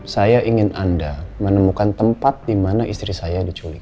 saya ingin anda menemukan tempat dimana istri saya diculik